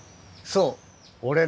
そう俺ね